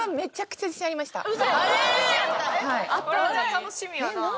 楽しみやな。